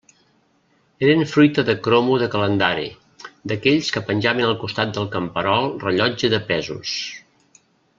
Eren fruita de cromo de calendari, d'aquells que penjaven al costat del camperol rellotge de pesos.